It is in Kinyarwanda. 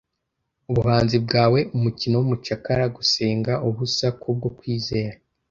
ubuhanzi bwawe umukino wumucakara gusenga ubusa kubwo kwizera